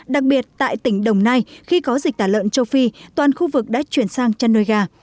đặc biệt tại tỉnh đồng nai khi có dịch tả lợn châu phi toàn khu vực đã chuyển sang chăn nuôi gà